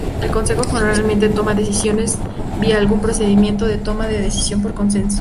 El consejo generalmente toma decisiones vía algún procedimiento de toma de decisión por consenso.